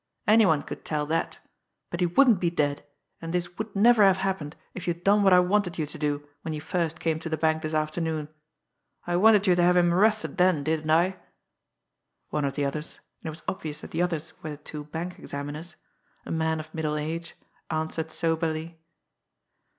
"Any one could tell that! But he wouldn't be dead, and this would never have happened if you'd done what I wanted you to do when you first came to the bank this afternoon. I wanted you to have him arrested then, didn't I?" One of the others and it was obvious that the others were the two bank examiners a man of middle age, answered soberly.